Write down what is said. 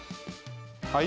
はい？